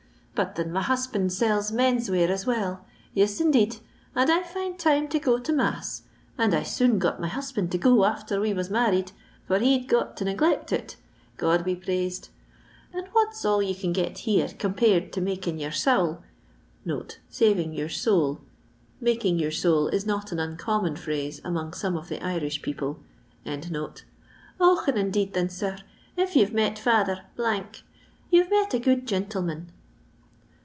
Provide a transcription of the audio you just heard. But thin my husbnnd sells men's wear as well. Tis, indeed, and I find time to go to mass, and I soon got my husband to go after we was married, for he 'd got to neglect it, €K>d be praised ; nnd what 's all you can get here compared to making your sowl " [saring your soul — making your soul is not an uncommon phrase among some of the Irish people]. " Och, and indeed thin, sir, if you 'te met Father , you '?e met a good gintleman."